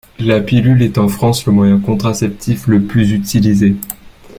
La pilule est en France le moyen contraceptif le plus utilisé.